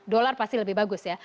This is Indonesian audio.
dolar pasti lebih bagus ya